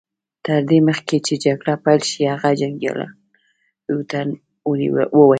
تر دې مخکې چې جګړه پيل شي هغه جنګياليو ته وويل.